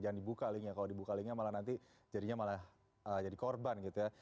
jangan dibuka linknya kalau dibuka linknya malah nanti jadinya malah jadi korban gitu ya